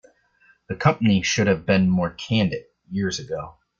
The company should have been more candid years ago.